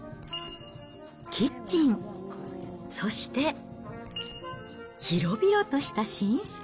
キッチン、そして広々とした寝室。